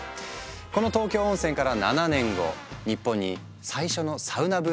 この東京温泉から７年後日本に最初のサウナブームがやってくる。